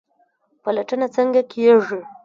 پلټنه څنګه کیږي؟